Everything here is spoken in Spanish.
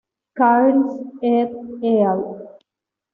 Cairns et al.